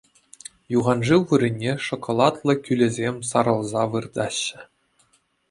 Юханшыв вырӑнне шоколадлӑ кӳлӗсем сарӑлса выртаҫҫӗ.